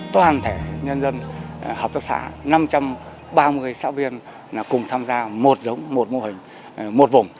toàn thể nhân dân hợp tác xã năm trăm ba mươi xã viên cùng tham gia một vùng